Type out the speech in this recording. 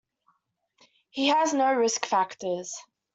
He has no risk factors.